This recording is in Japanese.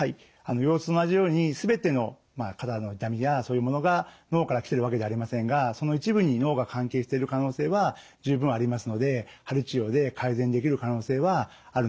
腰痛と同じように全ての肩の痛みやそういうものが脳から来てるわけじゃありませんがその一部に脳が関係している可能性は十分ありますので鍼治療で改善できる可能性はあるのかなというふうに思います。